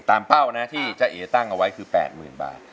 เป้านะที่จ้าเอ๋ตั้งเอาไว้คือ๘๐๐๐บาท